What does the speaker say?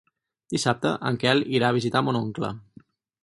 Dissabte en Quel irà a visitar mon oncle.